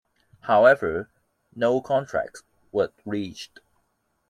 However, no contract was reached.